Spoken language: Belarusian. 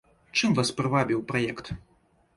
Чым вас прывабіў праект?